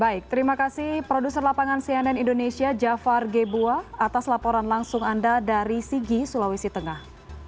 baik terima kasih produser lapangan cnn indonesia jafar gebuah atas laporan langsung anda dari sigi sulawesi tengah